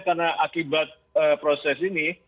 karena akibat proses ini